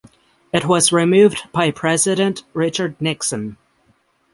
It was removed by President Richard Nixon.